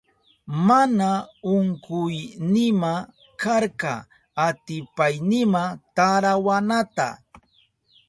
Mana unkuynima karka atipaynima tarawanata.